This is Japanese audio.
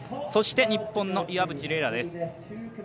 そして日本の岩渕麗楽です。